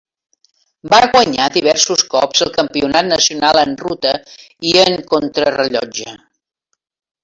Va guanyar diversos cops el campionat nacional en ruta i en contrarellotge.